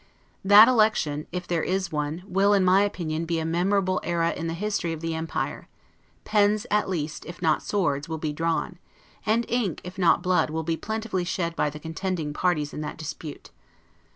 That election, if there is one, will, in my opinion, be a memorable era in the history of the empire; pens at least, if not swords, will be drawn; and ink, if not blood, will be plentifully shed by the contending parties in that dispute.